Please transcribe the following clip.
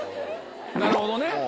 なるほどね。